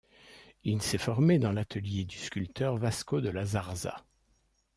Il s'est formé dans l'atelier du sculpteur Vasco de la Zarza.